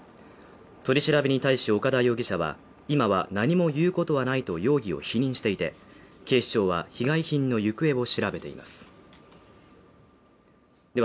取り調べに対し岡田容疑者は今は何も言うことはないと容疑を否認していて、警視庁は被害品の行方を調べています。